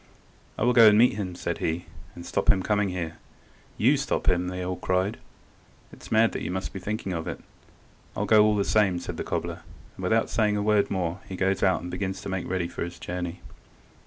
"I will go and meet him," said he, "and stop him coming here." "You stop him!" cried they all; "it's mad you must be to think of it." "I'll go all the same," said the cobbler, and without saying a word more he goes out and begins to make ready for his journey.